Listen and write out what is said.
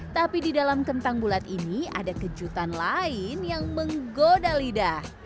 tapi di dalam kentang bulat ini ada kejutan lain yang menggoda lidah